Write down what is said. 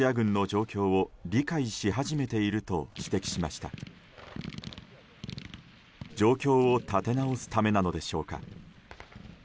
状況を立て直すためなのでしょうか。